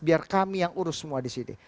biar kami yang urus semua disini